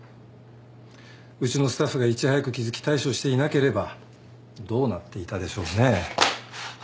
うちのスタッフがいち早く気付き対処していなければどうなっていたでしょうね。